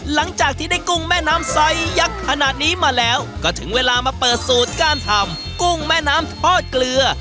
หลังจากที่ได้กุ้งแม่น้ำไซสยักษ์ขนาดนี้มาแล้วก็ถึงเวลามาเปิดสูตรการทำกุ้งแม่น้ำทอดเกลือ